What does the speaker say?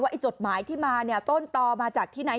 ว่าจดหมายที่มาต้นต่อมาจากที่ไหน